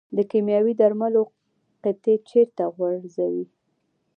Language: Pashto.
د کیمیاوي درملو قطۍ چیرته غورځوئ؟